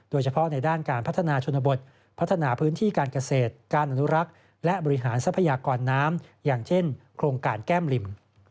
โดยเฉพาะในด้านการพัฒนาชนบทพัฒนาพื้นที่การเกษตรการอนุรักษ์และบริหารทรัพยากรน้ำอย่างเช่นโครงการแก้มลิม